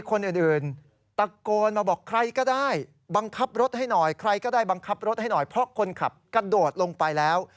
เพราะคนขับกระโดดลงไปแล้ว